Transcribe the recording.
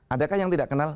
adakah yang tidak kenal